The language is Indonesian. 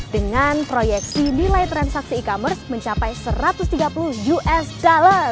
dengan proyeksi nilai transaksi e commerce mencapai satu ratus tiga puluh usd